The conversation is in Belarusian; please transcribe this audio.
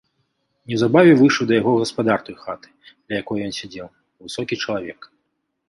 Неўзабаве выйшаў да яго гаспадар той хаты, ля якое ён сядзеў, высокі чалавек.